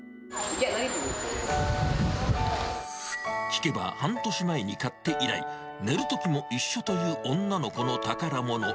聞けば半年前に買って以来、寝るときも一緒という女の子の宝物。